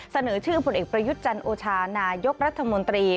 เสนอชื่อผลเอกประยุทธ์จันโอชานายกรัฐมนตรี